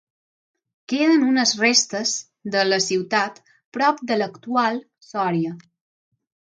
Queden unes restes de la ciutat prop de l'actual Sòria.